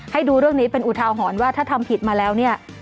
ให้ดูเรื่องนี้เป็นอุทาหรณ์ว่าถ้าทำผิดมาแล้วเนี่ย